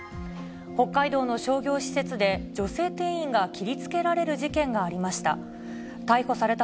北海道の商業施設で、女性店員が切りつけられる事件がありました。